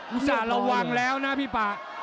ส่าห์ระวังแล้วนะพี่ป่า